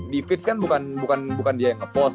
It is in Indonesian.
di fitch kan bukan dia yang ngepost